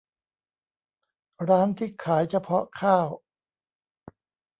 ร้านที่ขายเฉพาะข้าว